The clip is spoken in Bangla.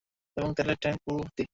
এবং তেলের ট্যাংক পুরো ভর্তি।